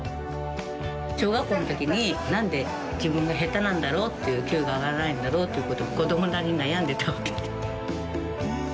小学校の時になんで自分が下手なんだろうっていう級が上がらないんだろうっていう事を子供なりに悩んでたわけ。